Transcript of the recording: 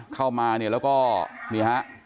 เข้ามาเนี่ยแล้วก็นี่ฮะ